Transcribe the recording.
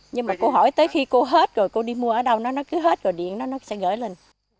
nhưng mà cô hỏi tới khi cô hết rồi cô đi mua ở đâu nó cứ hết rồi điện nó sẽ gửi lên